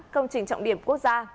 công trình trọng điểm quốc gia